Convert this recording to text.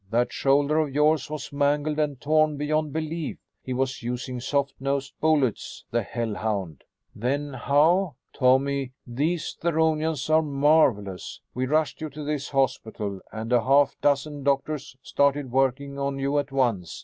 That shoulder of yours was mangled and torn beyond belief. He was using soft nosed bullets, the hell hound!" "Then how ?""Tommy, these Theronians are marvelous. We rushed you to this hospital and a half dozen doctors started working on you at once.